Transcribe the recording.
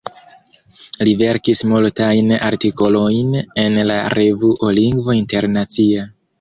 Li verkis multajn artikolojn en la revuo "Lingvo Internacia".